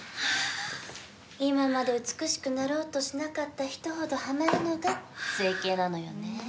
今まで美しくなろうとしなかった人ほどはまるのが整形なのよねえ。